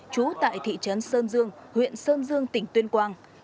trú tại thị trấn sơn dương huyện sơn dương tỉnh tuyên quang